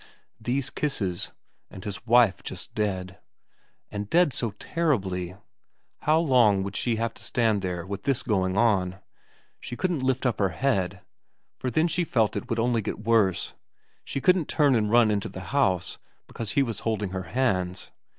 These kisses and his wife just dead and dead so terribly how long would she have to stand there with this going on she couldn't lift up her head, for then she felt it would only get worse she couldn't turn and run into the house, because he was holding her hands.